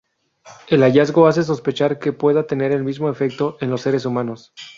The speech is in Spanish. El hallazgo hace sospechar que pueda tener el mismo efecto en los seres humanos.